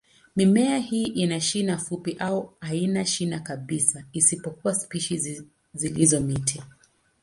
Mimea hii ina shina fupi au haina shina kabisa, isipokuwa spishi zilizo miti.